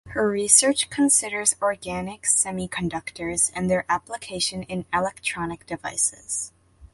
Her research considers organic semiconductors and their application in electronic devices.